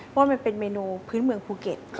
เพราะมันเป็นเมนูพื้นเมืองภูเก็ต